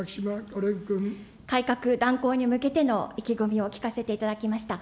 改革、断行に向けての意気込みを聞かせていただきました。